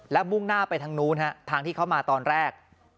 และมุ่งหน้าไปทางนู้นทางที่เขามาตอนแรก